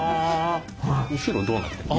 後ろどうなってんの？